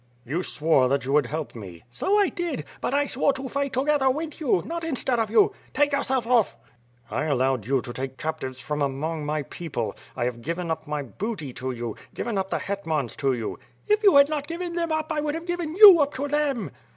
"You swore that you would help me!" "So I did, but I swore to fight together with you, not in stead of you. Take yourself oft"!'' "I allowed you to take captives from among my people. I have given up my booty to you; given up the hetmans to you." "If you had not given them up, I would have given you up to them."